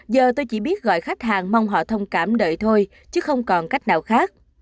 giờ tôi chỉ biết gọi khách hàng mong họ thông cảm đợi thôi chứ không còn cách nào khác